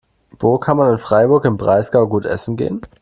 Wo kann man in Freiburg im Breisgau gut essen gehen?